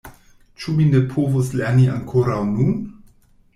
Ĉu mi ne povus lerni ankoraŭ nun?